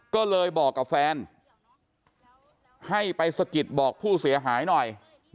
ก็เลยบอกกับแฟนให้ไปสะกิดบอกผู้เสียหายหน่อย